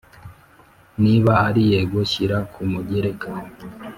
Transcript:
Niba ari yego shyira ku mugereka